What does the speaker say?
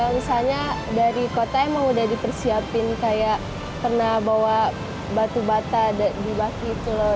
misalnya dari kota emang udah dipersiapin kayak pernah bawa batu bata di baki itu loh